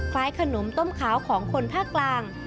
ขนมต้มขาวของคนภาคกลาง